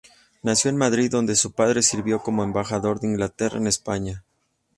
Nació en Madrid, donde su padre sirvió como embajador de Inglaterra en España.